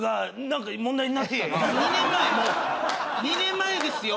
２年前ですよ。